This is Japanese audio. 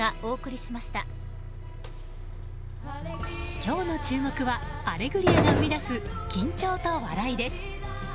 今日の注目は「アレグリア」が生み出す緊張と笑いです。